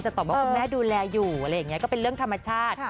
ตอบว่าคุณแม่ดูแลอยู่อะไรอย่างนี้ก็เป็นเรื่องธรรมชาติ